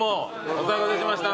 お騒がせしました。